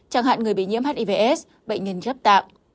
chẳng hạn người bị nhiễm hivs bệnh nhân ghép tạng